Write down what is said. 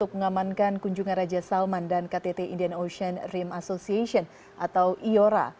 untuk mengamankan kunjungan raja salman dan ktt indian ocean rem association atau iora